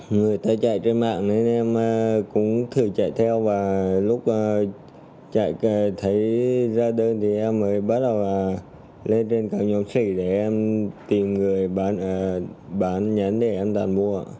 người ta chạy trên mạng nên em cũng thử chạy theo và lúc chạy thấy ra đơn thì em mới bắt đầu lên trên các nhóm sỉ để em tìm người bán nhắn để em đạt mua